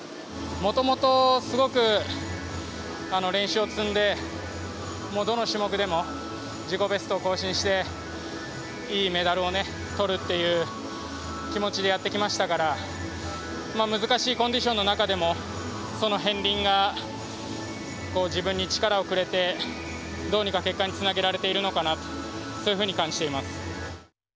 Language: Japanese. もともと、すごく練習を積んでどの種目でも自己ベスト更新していいメダルをとるという気持ちでやってきましたから難しいコンディションの中でもその片りんが自分に力をくれてどうにか結果につなげられているのかなとそういうふうに感じています。